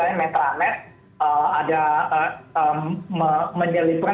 jadi mungkin kita perlu jujur lah kepada diri sendiri